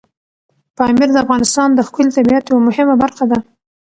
پامیر د افغانستان د ښکلي طبیعت یوه مهمه برخه ده.